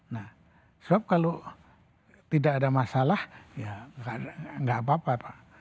nah soal kalau tidak ada masalah ya gak apa apa